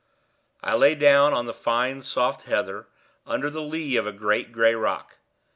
I lay down on the fine soft heather, under the lee of a great gray rock.